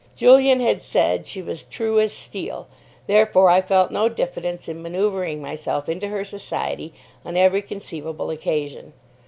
Julian had said she was "true as steel." Therefore, I felt no diffidence in manoeuvring myself into her society on every conceivable occasion.